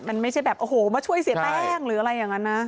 มันไม่ใช่แบบโอ้โหมาช่วยเสียแป้งหรืออะไรอย่างนั้นนะ